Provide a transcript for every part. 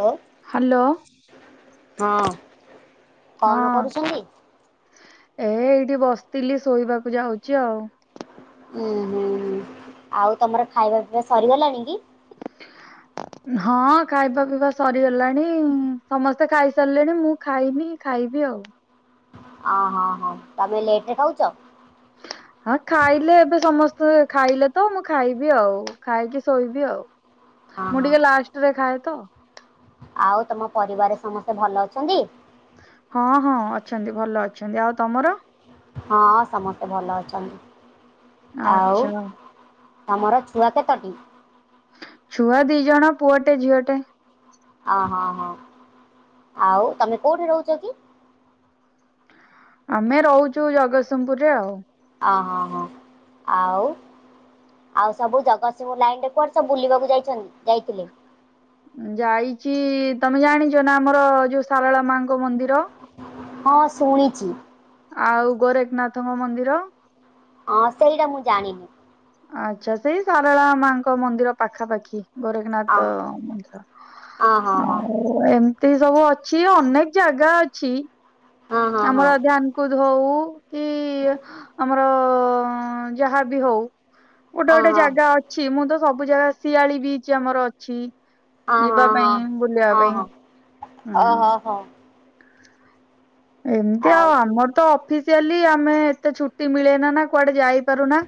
ହଁ ହ୍ୟାଲୋ। ହଁ। ହଁ ଏ ଏଇଠି ବସିଥିଲି ଶୋଇବାକୁ ଯାଉଛି ଆଉ। ଉ ହୁଁ ହୁଁ ଆଉ ତମର ଖାଇବା ପିଇବା ସରିଗଲାଣି କି? ହ ହଁ ଖାଇବା ପିଇବା ସରିଗଲାଣି ସମସ୍ତେ ଖାଇସାରିଲେଣି ମୁଁ ଖାଇନି ଖାଇବି ଆଉ। ଅ-ହଁ-ହଁ ତମେ ଲେଟ୍ ରେ ଖାଉଛ? ହୁଁ ହଁ ଖାଇଲେ ଏବେ ସମସ୍ତେ ଖାଇଲେ ତ ମୁଁ ଖାଇବି ଆଉ, ଖାଇକି ଶୋଇବି ଆଉ। ହଁ ମୁଁ ହଁ ଟିକେ ଲାଷ୍ଟରେ ଖାଏ ତ। ଆଉ ତମ ପରିବାର ସମସ୍ତେ ଭଲ ଅଛନ୍ତି? ହଁ-ହଁ ଅଛନ୍ତି ଭଲ ଅଛନ୍ତି, ଆଉ ତମର? ହଁ ସମସ୍ତେ ଭଲ ଅଛନ୍ତି ଆଉ ଆଚ୍ଛା ତମର ଛୁଆ କେତୋଟି? ଛୁଆ ଦି ଜଣ ପୁଅଟେ ଝିଅଟେ। ଅ-ହଁ-ହଁ ଆଉ ତମେ କୋଉଠି ରହୁଛ କି? ଆମେ ରହୁଛୁ ଜଗତସିଂହପୁରରେ ଆଉ। ଅଁ-ହଁ-ହଁ ଆଉ? ଆଉ ସବୁ ଜଗତସିଂହପୁର ଲାଇନରେ କୁଆଡେ ସବୁ ବୁଲିବାକୁ ଯାଇଛନ୍ତି ଯାଇଥିଲେ? ଉଁ ଯାଇଚି ତମେ ଜାଣିଛ ନା ଆମର ଯୋଉ ଶାରଳା ମାଆଙ୍କ ମନ୍ଦିର? ହଁ ଶୁଣିଚି। ଆଉ ଗୋରେଖନାଥଙ୍କ ମନ୍ଦିର। ଅଁ ସେଇଟା ମୁଁ ଜାଣିନି। ଆଚ୍ଛା ସେଇ ଶାରେଳା ମାଆଙ୍କ ମନ୍ଦିର ପାଖାପାଖି ଗୋରେ ଅ ନାଥ ମନ୍ଦିର ହଁ ହଁ ହଁ ହଁ ଆଉ ଓ ଏମିତି ସବୁ ଅଛି ଅନେକ ଜାଗା ଅଛି। ହଁ ହଁ ଆମର ଧ୍ୟାନକୁଦ ହଉ-ଉ-ଉ କି-ଇ-ଇ ଆମ ର-ଅ-ଅ ଯାହା ବି ହଉ ହଁ ଗୋଟେ-ଗୋଟେ ହଁ ଜାଗା ଅ ଛି ମୁଁ ତ ସବୁ ଜାଗା ଶିଆଳି ବିଚ୍ ଆମର ଅଛି। ହଁ ଯିବା ହଁ ପାଇଁ ବୁଲିବା ପାଇଁ ହଁ ହୁଁ‌। ହଁ ହଁ। ଓହୋ ହୋ ଏମିତି ଆଉ ଆମର ତ ଅଫିସିଆଲି ଆମେ ଏତେ ଛୁଟି ମିଳେନା ନା କୁଆଡେ ଯାଇପାରୁନା।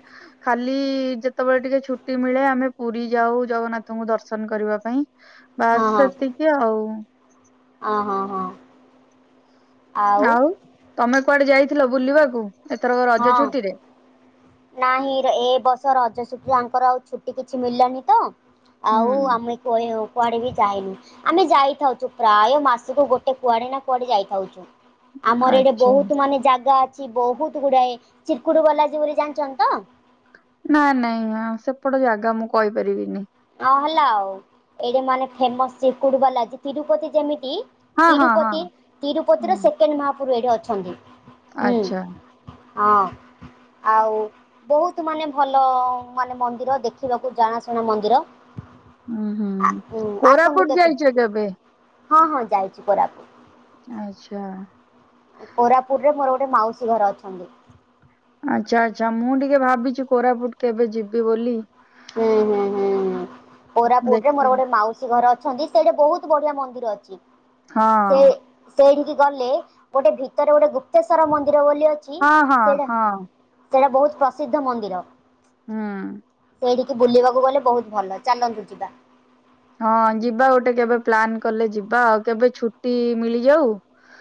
ଖାଲି-ଇ-ଇ ଯେତେବେଳେ ଟିକେ ଛୁଟି ମିଳେ ଆମେ ପୁରୀ ଯାଉ ଜଗନ୍ନାଥଙ୍କୁ ଦର୍ଶନ କରିବା ପାଇଁ। ବାସ୍ ସେତିକି ଆଉ। ଅଁ- ହଁ- ହଁ। ଆଉ ତମେ କୁଆଡେ ଯାଇଥିଲ ବୁଲିବାକୁ ଏଥରକ ରଜ ହଁ ଛୁଟିରେ? ନାହିଁ ରେ ଏବର୍ଷ ରଜ ଛୁଟିରେ ୟାଙ୍କର ଆଉ ଛୁଟି କିଛି ମିଳିଲାନି ତ। ଆଉ ହୁଁ। ଆମେ କୁଆଏ କୁଆଡେ ବି ଯାଇନୁ। ଆମେ ଯାଇଥାଇଛୁ ପ୍ରାୟ ମାସକୁ ଗୋଟେ କୁଆଡେ ନା କୁଆଡେ ଯାଇଥାଉଛୁ। ଆମର ଏଇଠି ଆଚ୍ଛା ବହୁତ ମାନେ ଜାଗା ଅଛି ବହୁତ ଗୁଡାଏ, ଚିରକୁଡ ବାଲାଜୀ ବୋଲି ଜାଣିଛନ୍ତି ତ? ନା ନାଇଁ ଉଁ ସେପଟ ଜାଗା ମୁଁ କଇପାରିବିନି। ଅ ହେଲା ଆଉ, ଏଇଠି ମାନେ ଫେମସ୍ ଚିରକୁଡ ବାଲାଜୀ ତିରୁପତି ଯେମିତି ହଁ ହଁ ହଁ। ତିରୁପତି ତିରୁପତିର ହୁଁ ସେକେଣ୍ଡ ମହାପୁରୁ ଏଇଠି ଅଛନ୍ତି। ହୁଁ। ଆଚ୍ଛା। ହଁ। ଆଉ ବହୁତ ମାନେ ଭଲ ମାନେ ମନ୍ଦିର ଦେଖିବାକୁ ଜଣାଶୁଣା ମନ୍ଦିର। ଉଁ ହୁଁ, ଆ ଉଁ କୋରାପୁଟ ଯାଇଛ କେବେ? ହ- ହଁ ଯାଇଛି କୋରାପୁଟ। ଆଚ୍ଛା। କୋରାପୁୁଟରେ ମୋର ଗୋଟେ ମାଉସୀ ଘର ଅଛନ୍ତି। ଆଚ୍ଛା-ଆଚ୍ଛା, ମୁଁ ଟିକେ ଭାବିଛି କୋରାପୁଟ କେବେ ଯିବି ବୋଲି। ଉଁ-ହୁଁ-ହୁଁ କୋରାପୁଟରେ ଦେଖି ମୋର ଗୋଟେ ମାଉସ୍ ସେ ଘରେ ଅଛନ୍ତି, ସେଇଠି ବହୁତ ବଢିଆ ମନ୍ଦିର ଅଛି ହଁ ସେ ସେଇଠିକି ଗଲେ ଗୋଟେ ଭିତରେ ଗୋଟେ ଗୁପ୍ତେଶ୍ଵର ମନ୍ଦିର ବୋଲି ଅଛି ହଁ ହଁ ସେଇଟ ହଁ ସେଇଟା ବହୁତ୍ ପ୍ରସିଦ୍ଧ ମନ୍ଦିର। ହୁଁ। ସେଇଠିକି ବୁଲିବାକୁ ଗଲେ ବହୁତ୍ ଭଲ ଚାଲନ୍ତୁ ଯିବା ହଁ ଯିବା ଗୋଟେ କେବେ ପ୍ଲାନ୍ କଲେ ଯିବା ଆଉ କେବେ ଛୁଟି ମିଳିଯାଉ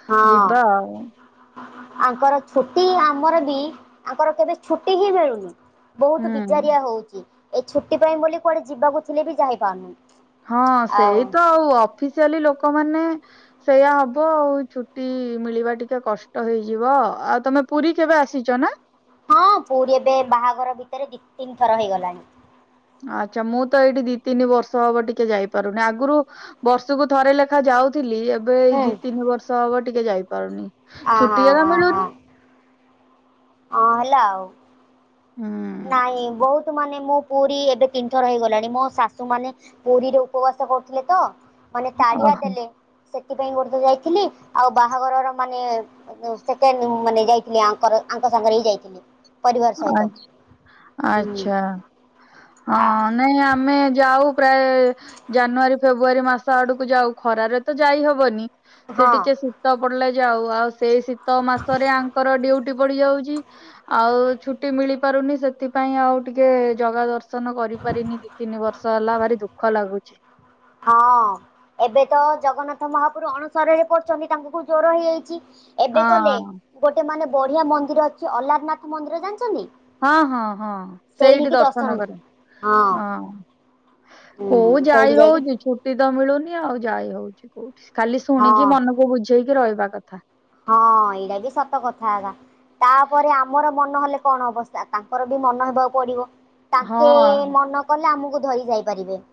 ହଁ। ଯିବା ଆଉ ଆଙ୍କର ଛୁଟି ଆମର ବି ତାଙ୍କର କେବେ ଛୁଟି ହିଁ ମିଳୁନି। ବହୁତ ହୁଁ। ବିଜାରିଆ ହଉଛି ଏ ଛୁଟି ପାଇଁ ବୋଲି କୁଆଡେ ଯିବାକୁ ଥିଲେ ବି ଯାଇ ପାରୁନି। ହଁ, ସେଇ ତ ଆଉ ଅଫିସିଆଲି ଲୋକମାନେ ସେଇୟା ହବ ଆଉ ଛୁଟି ମିଳିବା ଟିକେ କଷ୍ଟ ହେଇଯିବ ଆଉ ତମେ ପୁରୀ କେବେ ଆସିଛ ନା? ହଁ ପୁରୀ ଏବେ ବାହାଘର ଭିତରେ ଦି ତିନି ଥର ହେଇଗଲାଣି। ଆଛା ମୁଁ ତ ଏଇଠି ଦି ତିନି ବର୍ଷ ହବ ଟିକେ ଯାଇପାରୁନି ଆଗରୁ ବର୍ଷକୁ ଥରେ ଲେଖା ଯାଉଥିଲି ଏବେ ହୁଁ ଏଇ ଦି ତିନି ବର୍ଷ ହବ ଟିକେ ଯାଇପାରୁନି। ହଁ ହଁ ଛୁଟି ହେଲା ହଁ ହଁ ମିଳୁନି। ହଁ, ହେଲା ଆଉ। ହୁଁ। ନାଇଁ ବହୁତ ମାନେ ମୁଁ ପୁରୀ ଏବେ ତିନି ଥର ହେଇଗଲାଣି ମୋ ଶାଶୁ ମାନେ ପୁରୀରେ ଉପବାସ କରୁଥିଲେ ତ ମାନେ ତାଡିଆ ଓହୋ ଦେଲେ ସେଥିପାଇଁ ଗୋଟ ଥର ଯାଇଥିଲି ଆଉ ବାହାଘରର ମାନେ ସେକଣ୍ଡ ମାନେ ଯାଇଥିଲି ଆଙ୍କର ଆଙ୍କ ସାଙ୍ଗରେ ବି ଯାଇଥିଲି ପରିବାର ସହିତ ଆଚ୍ଛା। ହୁଁ। ଆଚ୍ଛା ହଁ ନାଇଁ ଆମେ ଯାଉ ପ୍ରାୟ ଜାନୁଆରୀ, ଫେବୃୁଆାରୀ ମାସ ଆଡକୁ ଯାଉ ଖରାରେ ତ ଯାଇ ହବନି। ସେ ହଁ। ଟିକେ ଶୀତ ପଡିଲେ ଯାଉ ଆଉ ସେଇ ଶୀତ ଶୀତ ମାସରେ ଆଙ୍କର ଡ୍ୟଉଟି ପଡିଯାଉଛି ଆଉ ଛୁଟି ମିଳି ପାରୁନି ସେଥିପାଇଁ ଆଉ ଟିକେ ଜଗା ଦର୍ଶନ କରିପାରିନି ଦି ତିନି ବର୍ଷ ହେଲା ଭାରି ଦୁଃଖ ଦୁଃଖ ଲାଗୁଛି। ହଁ। ଏବେ ତ ଜଗନ୍ନାଥ ମହାପୁର ଅଣୁସରରେ ପଡୁଛନ୍ତି ତାଙ୍କୁ ଜର ହେଇଯାଇଛି। ଏବେ ଗଲେ ହଁ ଗୋଟେ ମାନେ ବଢିଆ ମନ୍ଦିର ଅଛି ଅଲାରନାଥ ମନ୍ଦିର ଜାଣିଛନ୍ତି? ହଁ, ହଁ, ହଁ ସେଇଠି ଦର୍ଶନ କରି ହଁ। ହୁଁ କୋଉ ସେଇଠି ଯାଇ ଯାଇକି ହଉଛି ଛୁ ଛୁଟିତ ମିଳୁନି ଆଉ ଯାଇ ହଉଛି କୋଉଠି ଖାଲି ହଁ ଶୁଣିକି ମନକୁ ବୁଝେଇକି ରହିବା କଥା। ହଁ ଏଇଟା ବି ସତ କଥା ହେଲା ତାପରେ ଆମର ମନ ହେଲେ କଣ ହବ ତାଙ୍କର ବି ମନ ହେବାକୁ ପଡିବ। ତାଙ୍କେ ହଁ ମନ କଲେ ଆମକୁ ଧରି ଯାଇ ପାରିବେ।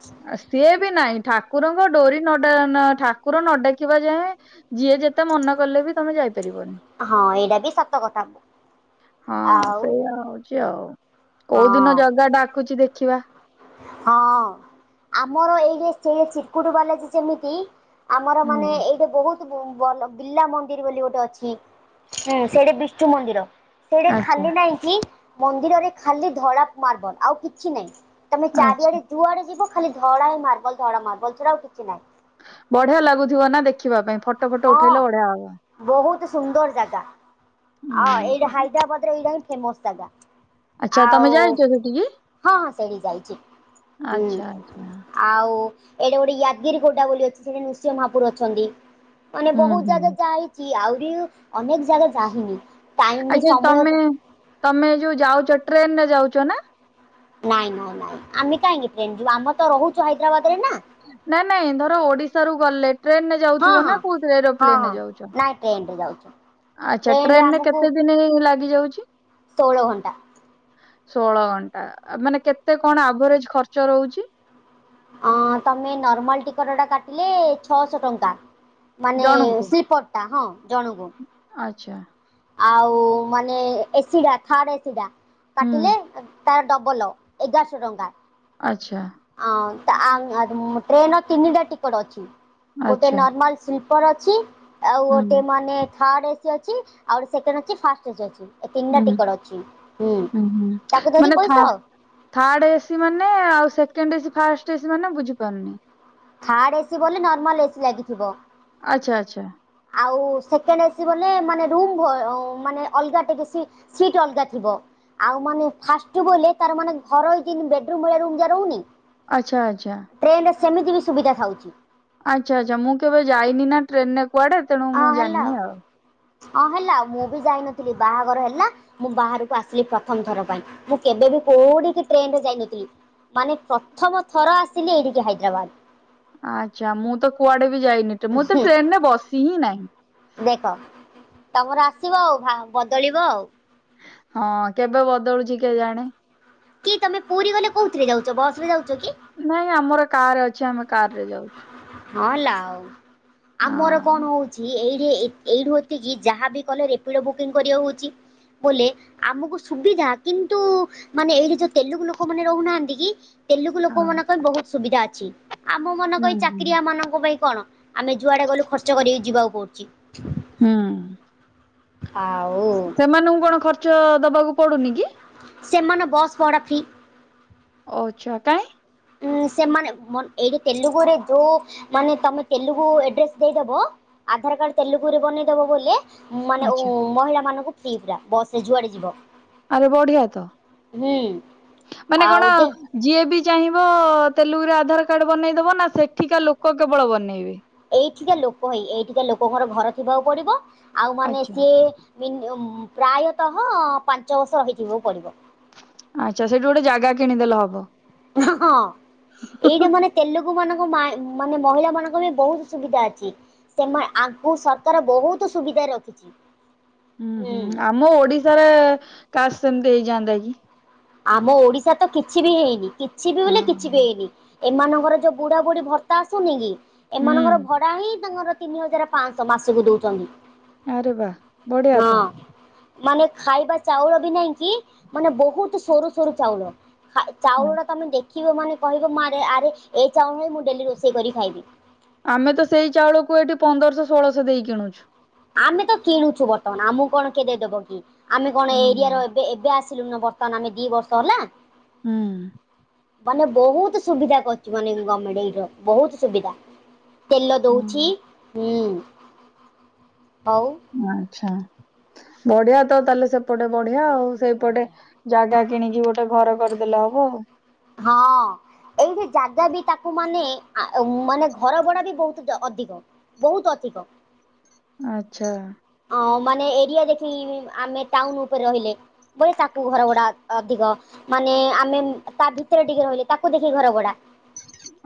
ସିଏ ବି ନାହିଁ ଠାକୁରଙ୍କ ଡୋରି ନ ଠାକୁର ନ ଡାକିବା ଯାଏଁ ଯିଏ ଯେତେ ମନ କଲେ ବି ତମେ ଯାଇପାରିବନି। ହଁ ଏଇଟା ବି ସତ କଥା ହଁ ଆଉ ସେଇଆ ହଉଛି ଆଉ କୋଉ ହଁ ଦିନ ଜଗା ଡାକୁଛି ଦେଖିବା ହଁ ଆମର ଏଇ ସେ ଚିକୁଟ ବାଲାଜୀ ଯେମିତି ଆମର ହୁଁ ମାନେ ଏ ଗଟେ ବହୁତ୍ ଭଲ - ବିଲଲା ମନ୍ଦିର ବୋଲି ଗୋଟେ ଅଛି ହୁଁ ସେଇଠି ବିଷ୍ଣୁ ମନ୍ଦିର [unintelligible] ସେଇଟା ଆଚ୍ଛା ଖାଲି ନାଇଁ କି ମନ୍ଦିରରେ ଖାଲି ଧଳା ମାର୍ବଲ ଆଉ କିଛି ନାଇଁ। ତମ ଆଚ୍ଛା। ଚାରିଆଡ଼େ ଜୁଆଡେ ଯିବ ଖାଲି ଧଳା ହି ମାର୍ବଲ ଧଳା ମାର୍ବଲ ସେଇଟା ଆଉ କିଛି ନାହିଁ। ବଢିଆ ଲାଗୁଥିବ ନା ଦେଖିବା ପାଇଁ ଫଟୋ ଫଟୋ ହଁ ଉଠେଇଲେ ବଢିଆ ହବା। ବହୁତ ସୁନ୍ଦର ଜାଗା ଆଉ ଏଇଟା ହୁଁ। ହାଇଦ୍ରାବାଦରେ ଏଇଟା ହିଁ ଫେମସ ଜାଗା। ଆଚ୍ଛା ଆଉ ତମେ ଯାଇଛ ହଁ, ସେଠିକି ହଁ ସେଇଠି ଯାଇଚି ଆଚ୍ଛା ହୁଁ। ଆଚ୍ଛା ଆଉ ଏଇଡ଼େ ଗୋଟେ ୟାଗିରି ଖୋଡ଼ା ବୋଲି ଅଛି ସେଇଠି ନୃସିଂହ ମହାପୁର ଅଛନ୍ତି।। ମାନେ ହୁଁ ବହୁତ ହୁଁ ଜାଗା ଯାଇଚି ଆହୁରି ଅନେକ ଜାଗା ଯାାହିନି। ଆଜା ତମେ ତମେ ଯୋଉ ଯାଉଚ ଟ୍ରେନ ରେ ଯାଉଚ ନା। ନାଇଁ, ନାଇଁ, ନାଇଁ ଆମେ କାହିଁକି ଟ୍ରେନ ଯିବୁ ଆମ ତ ରହୁଚୁ ହାଇଦ୍ରାବାଦ ରେ ନା। ନାଇଁ, ନାଇଁ ଧର ଓଡ଼ିଶା ରୁ ଗଲେ ଟ୍ରେନରେ ଯାଉଥିବ ନା କୋଉ ଧି ଏରୋପ୍ଲେନରେ ଯାଉଚ। ଆଁ ଟ୍ରେନରେ ଯାଉଚୁ। ଆଚ୍ଛା ଟ୍ରେନରେ କେତେ ଦିନ ଲାଗି ଯାଉଚି। ଷୋଳ ଘଣ୍ଟା। ଷୋଳ ଘଣ୍ଟା ମାନେ କେତେ କଣ ଆଭରେଜ ଖର୍ଚ୍ଚ ରହୁଚି। ଆଁ ତମେ ନର୍ମାଲ ଟିକଟଟା କାଟିଲେ ଛଅଶହ ଟଙ୍କା ମାନେ ଜଣଙ୍କୁ? ସ୍ଲିପର୍ ହଁ ଜଣକୁୁ। ଆଚ୍ଛା। ଆଉ ମାନେ ଏସିଡ଼ା ଥାର୍ଡ ଏସିଡ଼ା ହୁଁ କାଟିଲେ ତାର ଡବଲ ଏଗାରଶ ଟଙ୍କା। ଆଚ୍ଛା। ଆଁ, ଆଁ ଟ୍ରେନର ତିନିଟା ଟିକଟ ଅଛି ଗୋଟେ ଆଚ୍ଛା ନର୍ମାଲ ସ୍ଲିପର୍ ଅଛି ଆଉ ଗୋଟେ ହୁଁ ମାନେ ଥାର୍ଡ଼ ଏସିି ଅଛି ଆଉ ଗୋଟେ ସେକେଣ୍ଡ ଅଛି ଫାଷ୍ଟ ଏସି ଅଛି। ଏ ତିନିଟା ହୁଁ ଟିକଟ ଅଛି ହୁଁ ହୁଁ ତାକୁ ଧରି ମାନେ ଥା ପଇସା ଥାର୍ଡ ଏସିି ମାନେ ଆଉ ସେକେଣ୍ଡ ଏସି ଫାର୍ଷ୍ଟ ଏସି ମାନେ ବୁଝି ପାରୁନି। ଥାର୍ଡ଼ ଏସି ବୋଲି ନର୍ମାଲ ଏସି ଲାଗିଥିବ। ଆଚ୍ଛା, ଆଚ୍ଛା। ଆଉ ସେକେଣ୍ଡ ଏସି ବୋଲେ ମାନେ ରୁମ୍ ଭମ୍ ମାନେ ଅଲଗାେ ବି ସିଟ୍ ଅଲଗା ଥିବ‌। ଆଉ ମାନେ ଫାଷ୍ଟ ବୋଲେ ତାର ମାନେ ଘରେଇ ତିନି ବେଡ଼ ରୁମ ରହୁନି। ଆଚ୍ଛା, ଆଚ୍ଛା। ଟ୍ରେନରେ ସେମିତି ବି ସୁବିଧା ଖାଉଚି। ଆଚ୍ଛା, ଆଚ୍ଛା ମୁଁ କେବେ ଯାଇନି ନା ଟ୍ରେନ ରେ କୁଆଡ଼େ। ହଁ ହେଲା, ହଁ ହେଲା ମୁଁ ବି ଯାଇନଥିଲି ବାହାଘର ହେଲା। ମୁଁ ବାହାରକୁ ଆସିଲି ପ୍ରଥମ ଥର ପାଇଁ ମୁଁ କେବେବି କୋଉଠିକି ଟ୍ରେନରେ ଯାଇନଥିଲି। ମାନେ ପ୍ରଥମ ଥର ଆସିଲି ଏଇଠିକି ହାଇଦ୍ରାବାଦ। ଆଚ୍ଛା ମୁଁ ତ କୁଆଡ଼େ ବି ଯାଇନି ମୁଁ ତ ହୁଁ ଟ୍ରେନରେ ବସି ହିଁ ନାହିଁ। ଦେଖ ତମର ଆସିବ ଆଉ ବଦଳିବ ଆଉ। ହଁ କେବେ ବଦଳୁଚି କେ ଜାଣେ। କି ତମେ ପୁରୀ ଗଲେ କୋଉଥିରେ ଯାଉଚ ବସ ରେ ଯାଉଚ କି? ନାଇଁ ଆମର କାର ଅଛି ଆମେ କାର ରେ ଯାଉଚୁ। ହଁ ହେଲା ଓ ଆଉ ଆମର ହଁ କଣ ହଉ ଏଇରେ ଏଇ ଏଇଠୁ ଏତିକି ଯାହାବି କଲେ ରେପିଡ଼ ବୁକିଂ କରିବା ହେଉଛି ବୋଲେ ଆମକୁ ସୁବିଧା କିନ୍ତୁ ମାନେ ଏଇଠି ଯୋଉ ତେଲୁଗୁ ଲୋକ ମାନେ ରହୁନାହାନ୍ତି କି? ତେଲୁଗୁ ଲୋକ ହଁ। ମନେ ପାଇଁ ବହୁତ ସୁବିଧା ଅଛି ଆମ ମନେ କ ହୁଁ ହୁଁ। ଚାକିରିଆ ମାନଙ୍କ ପାଇଁ କଣ? ଆମେ ଯୁଆଡ଼େ ଗଲୁ ଖର୍ଚ୍ଚ କରିକି ଯିବାକୁ ପଡୁଚି। ହୁଁ। ଆଓ। ସେମାନଙ୍କୁ କଣ ଖର୍ଚ। ଖର୍ଚ୍ଚ ଦବାକୁ ପଡୁନି କି? ସେମାନେ ବସ୍ ପଡ଼ା ଫି ଓଚ୍ଛା କାଇଁ? ଉଁ ସେମାନେ ମୋତେ ଏଇଠି ତେଲୁଗୁରେ ଯୋଉ ମାନେ ତମେ ତେଲୁଗୁ ଏଡ୍ରେସ ଦେଇଦବ ଆଧାର କାର୍ଡ ତେଲୁଗୁ ରେ ବନେଇଦବ ବୋଲେ ମାନେ ଆଚ୍ଛା। ଉଁ ମହିଳା ମାନଙ୍କୁ ଫ୍ରି ପା ବସେ ଯୁଆଡେ ଯିବ। ଆରେ ବଢିଆ ତ ହୁଁ। ମାନେ ଆଉ କଣ? ଯେ ଯିଏ ବି ଚାହିଁବ ତେଲୁଗୁରେ ଆଧାର କାର୍ଡ ବନେଇ ଦବ ନା ସେଠିକା ଲୋକ କେବଳ ବନେଇବେ? ଏଇଠିିକା ଲୋକ ହିଁ ଏଇଠିିକା ଲୋକଙ୍କର ଘର ଥିବାକୁ ପଡିବ ଆଉ ମାନେ ଆଚ୍ଛା। ସିଏ ମିନିମ ପ୍ରାୟତଃ ପାଞ୍ଚ ବର୍ଷ ହେଇଯିବ ପଡ଼ିବ। ଆଚ୍ଛା ସେଇଠୁ ଗୋଟେ ଜାଗା କିଣିଦେଲେ ହବ। ହ ହଁ ଏଇଟା ମାନେ। ତେଲୁଗୁ ମାନଙ୍କ ମାନେ ମହିଳା ମାନଙ୍କ ବି ବହୁତ ସୁବିଧା ଅଛି। ସେମାନେ ୟାଙ୍କୁ ସରକାର ବହୁତ ସୁବିଧାରେ ରଖିଛି। ଉଁ ହୁଁ ଆମ ଓଡିଶାରେ କାଶ ସେମତି ହେଇଯାଆନ୍ତା କି। ଆମ ଓଡିଶାରେ ତ କିଛି ବି ହେଇନି କିଛି ବି ବଲେ ହଁ କିଛି ବି ହେଇନି। ଏମାନଙ୍କର ଯୋଉ ବୁଢା ବୁଢୀ ଭର୍ତ୍ତା ଆସୁନି କି ଏମାନଙ୍କର ହୁଁ। ଭଡା ହିଁ ତାଙ୍କର ତିନି ହଜାର ପାଞ୍ଚଶହ ମାସକୁ ଦଉଛନ୍ତି। ଆରେ ବା ବଢିଆ ତ ହଁ ମାନେ ଖାଇବା ଚାଉଳ ବି ନାଇଁ କି ମାନେ ବହୁତ ସରୁ ସରୁ ଚାଉଳ। ଚାଉଳ ଟା ତମେ ଦେଖିବ ମାନେ କହିବ ଆରେ ଏଇ ଚାଉଳ ମୁଁ ଡେଲି ରୋଷେଇ କରି କି ଖାଇବି। ଆମେ ତ ସେଇ ଚାଉଳକୁ ଏଠି ପନ୍ଦରଶହ ଷୋହଳଶହ ଦେଇ କିଣୁଛୁ। ଆମେ ତ କିଣୁଛୁ ବର୍ତ୍ତମାନ ଆମକୁ କଣ କେ ଦେଇଦବ କି ଆମେ କଣ ହୁଁ। ଏରିଆ ର? ଏବେ ଆସିଲୁ ବର୍ତ୍ତମାନ ଆମେ ଦି ବର୍ଷ ହେଲା। ହୁଁ। ମାନେ ବହୁତ ସୁବିଧା କରୁଛି ମାନେ ଗମେଣ୍ଟ ଏଇ ବହୁତ ସୁବିଧା। ତେଲ ହୁଁ। ଦଉଛି ହୁଁ। ଆଉ। ଆଛା ବଢିଆ ତ ତାହେଲେ ସେପଟେ ବଢିଆ ଆଉ ସେପଟେ। ଜାଗା କିଣିକି ଗୋଟେ ଘର କରିଦେଲେ ହବ ଆଉ। ହଁ। ଏଇଠି ଜାଗା ବି ତାକୁ ମାନେ ମାନେ ଘର ଭଡା ବି ବହୁତ ଅଧିକ। ବହୁତ ଅଧିକ। ଆଛା ଅ ମାନେ ଏରିଆ ଦେଖି ଆମେ ଟାଉନ ଉପରେ ରହିଲେ। ଫୁଣି ତାକୁ ଘର ଗୁଡା ଅଧିକ। ମାନେ ଆମେ ତା ଭିତରେ ଟିକେ ରହିଲେ ତାକୁ ଦେଖି ଘର ଭଡା।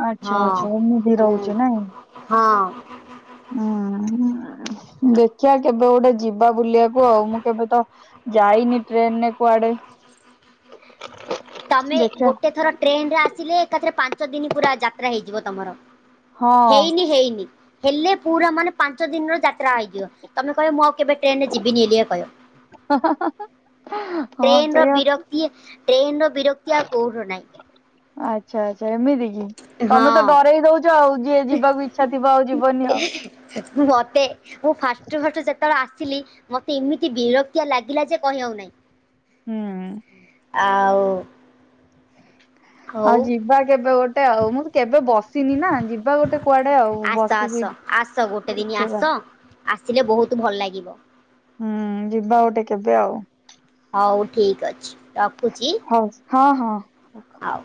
ଆଚ୍ଛା ହଁ। ଆଚ୍ଛା ମୁଁ ବି ହୁଁ ରହୁଛି ନାଇଁ। ହଁ। ହୁଁ ଦେଖିବା କେବେ ଗୋଟେ ଯିବ। ଯିବା ବୁଲିବାକୁ ଆଉ ମୁଁ କେବେ ତ ଯାଇନି ଟ୍ରେନରେ କୁଆଡେ। [inaudible] ତମେ ଦେଖିଆ ଗୋଟେ ଥର ଟ୍ରେନ ରେ ଆସିଲେ ଏକାଥରେ ପାଞ୍ଚ ଦିନ ପୁରା ଯାତ୍ରା ହେଇଯିବ ତମର। ହଁ ହେଇନି ହେଇନି ହେଲେ ପୁରା ମାନେ ପାଞ୍ଚ ଦିନର ଯାତ। ଟ୍ରାଇ ଦିଅ, ତମେ କହିବ ମୁଁ ଆଉ କେବେ ଟ୍ରେନ ରେ ଯିବିନି ଏରିଆ କହିବ। ହ ହ ହ ହ। ହ। ଟ୍ରେନ ର ବିରକ୍ତି ଟ୍ରେନ ର। ବିରକ୍ତି ଆଉ କୋଉ। ନାଇଁ। ଆଚ୍ଛା ଆଚ୍ଛା ଏମିତି କି, ତମେ ତ ହଁ। ଡରେଇ ଦଉଚ ଆଉ। ଯିଏ ଯିବାକୁ ଇଚ୍ଛା ଥିବ ଆଉ ଯିବନି ଆଉ। ମତେ, ମୁଁ ଫାଷ୍ଟୁ ଫାଷ୍ଟୁ ଯେତବଳେ ଆସିଲି ମତେ। ଏମିତି ବିରକ୍ତିଆ ଲାଗିଲା ଯେ କହିହଉ ନାହିଁ। ହୁଁ। ଆଉ। ହଉ ଆଉ ଯିବା କେବେ ଗୋଟେ ଆଉ, ମୁଁ ତ କେବେ ବସ। ସିନି ନା ଯିବା ଗୋଟେ କୁଆଡେ ଆଉ ଆସ ଆସ ବସିକି ଆସ ଗୋଟେ ଦିନ ଆସ। ଦେଖିବା। ଆସିଲେ ବହୁତୁ ଭଲ ଲାଗିବ। ହୁଁ, ଯିବା ଗୋଟେ କେବେ ଆଉ। ହଉ ଠିକ୍ ଅଛି ରଖୁଚି। ହଉ, ହଁ ହଁ। ଆଉ।